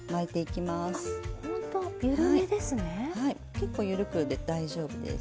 結構緩くで大丈夫です。